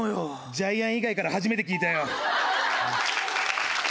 ジャイアン以外から初めて聞いたよ。